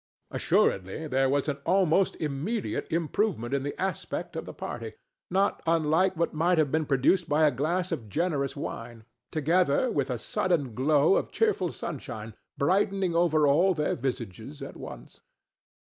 Assuredly, there was an almost immediate improvement in the aspect of the party—not unlike what might have been produced by a glass of generous wine—together with a sudden glow of cheerful sunshine, brightening over all their visages at once.